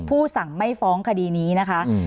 สั่งไม่ฟ้องคดีนี้นะคะ